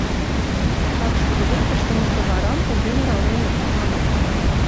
Вакш кудывечыш нымыштыварам конден ораленыт, маныт.